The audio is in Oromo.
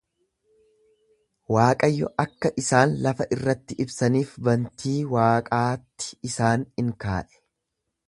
Waaqayyo akka isaan lafa irratti ibsaniif bantii waaqaatti isaan in kaa'e;